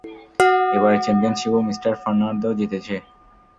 এবারের চ্যাম্পিয়নশিপও mister Fernando জিতেছে!